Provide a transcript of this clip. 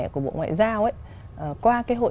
của bộ ngoại giao ấy qua cái hội